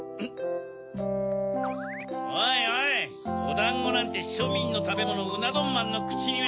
おいおいおだんごなんてしょみんのたべものうなどんまんのくちには。